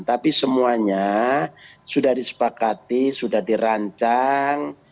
tapi semuanya sudah disepakati sudah dirancang